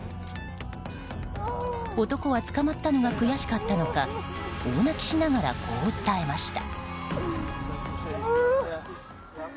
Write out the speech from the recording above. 男は捕まったのが悔しかったのか大泣きしながらこう訴えました。